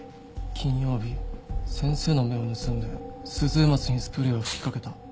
金曜日先生の目を盗んでスズエマツにスプレーを吹きかけた。